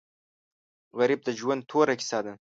غریب د ژوند توره کیسه ده